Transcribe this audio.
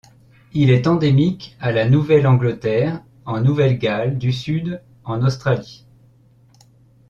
Il est endémique à la Nouvelle-Angleterre en Nouvelle-Galles du Sud en Australie.